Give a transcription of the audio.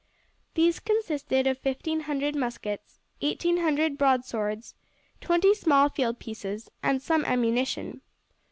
These consisted of fifteen hundred muskets, eighteen hundred broadswords, twenty small field pieces, and some ammunition.